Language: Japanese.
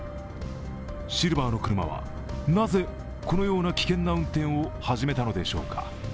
シルバーの車は、なぜ、このような危険な運転を始めたのでしょうか。